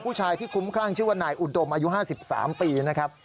ผู้ชายที่คุ้มคลั่งชื่อว่านายอุดมอายุ๕๓ปีนะครับ